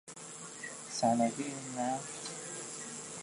صنایع نفت